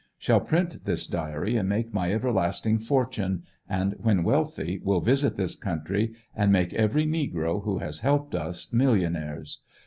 Shall print this diary and make my everlasting fortune, and when wealthy will visit this country and make every negro wiio has helped us millionaires.